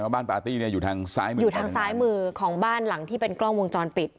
บ้านปาร์ตี้อยู่ทางซ้ายมือของบ้านหลังที่เป็นกล้องวงจรปิด